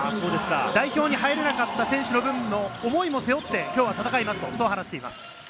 代表に入れなかった選手の分も思いを背負って、きょうは戦いますと話しています。